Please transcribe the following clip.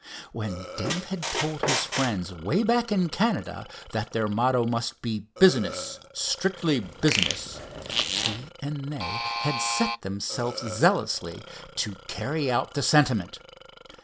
When Dave had told his friends way back in Canada that their motto must be "business, strictly business," he and they had set themselves zealously to work to carry out the sentiment.